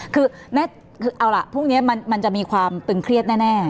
คือเอาล่ะพรุ่งนี้มันจะมีความตึงเครียดแน่